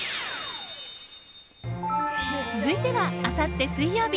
続いては、あさって水曜日。